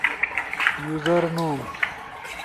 یوزر نوم